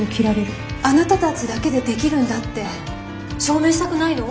あなたたちだけでできるんだって証明したくないの？